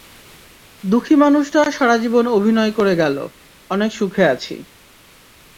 দুঃখী মানুষটা সারা জীবন অভিনয় করে গেলো— অনেক সুখে আছি।